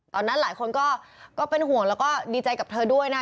หลายคนก็เป็นห่วงแล้วก็ดีใจกับเธอด้วยนะ